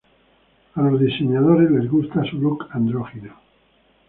A los diseñadores les gusta su look andrógino.